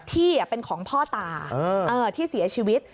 ที่เป็นของพ่อตาที่เสียชีวิต